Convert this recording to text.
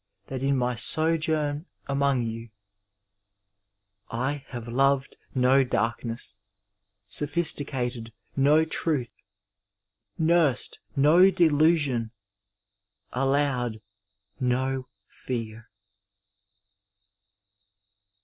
diat in my sojoun among yoa:— ^^ I hava krpad BO darknesi^ SophiBtioated no tnith» Nursed no delusion. Allowed BO fear.'